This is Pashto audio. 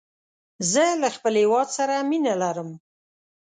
زه له خپل هېواد سره مینه لرم.